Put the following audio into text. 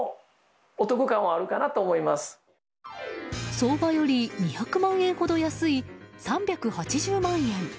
相場より２００万円ほど安い３８０万円！